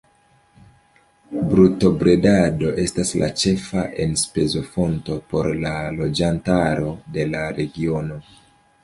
Brutobredado estas la ĉefa enspezofonto por la loĝantaro de la regiono.